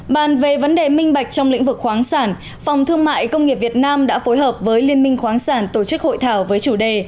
bàn về vấn đề minh bạch trong lĩnh vực khoáng sản phòng thương mại công nghiệp việt nam đã phối hợp với liên minh khoáng sản tổ chức hội thảo với chủ đề